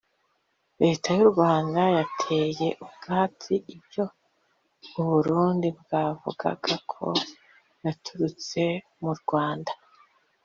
Leta y’u Rwanda yateye utwatsi ibyo u Burundi bwavugaga ko yaturutse mu Rwanda